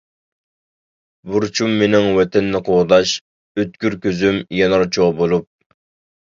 بۇرچۇم مېنىڭ ۋەتەننى قوغداش، ئۆتكۈر كۆزۈم يانار چوغ بولۇپ.